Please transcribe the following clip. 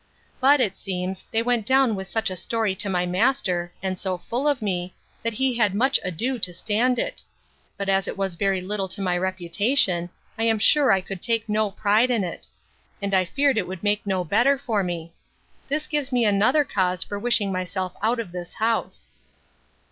But, it seems, they went down with such a story to my master, and so full of me, that he had much ado to stand it; but as it was very little to my reputation, I am sure I could take no pride in it; and I feared it would make no better for me. This gives me another cause for wishing myself out of this house.